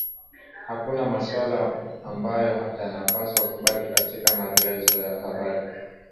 Hakuna maswali ambayo yanapaswa kubaki katika marlezo ya habari